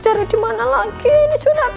aku mau pergi dulu